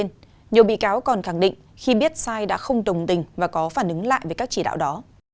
nhưng nhiều bị cáo còn khẳng định khi biết sai đã không tồng tình và có phản ứng lại với các chỉ đạo đó